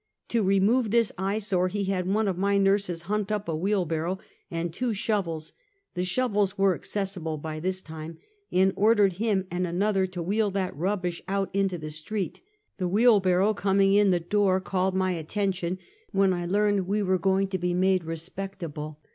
To remove this eyesore he had one of my nurses hunt up a wheel barrow, and two shovels — shovels were accessible by this time — and ordered him and another to wheel that rubbish out into the street. The wheel barrow coming in the door called my attention, when I learned that we were going to be made respectable.